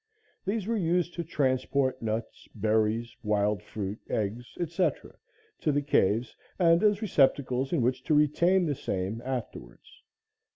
These were used to transport nuts, berries, wild fruit, eggs, etc., to the caves and as receptacles in which to retain the same afterwards.